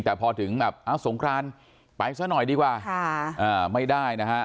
แต่พอถึงแบบเอาสงครานไปซะหน่อยดีกว่าไม่ได้นะฮะ